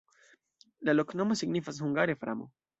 La loknomo signifas hungare: framo.